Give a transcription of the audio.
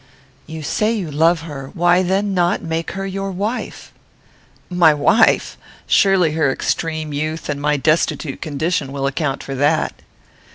"You say you love her: why then not make her your wife?" "My wife! Surely her extreme youth, and my destitute condition, will account for that."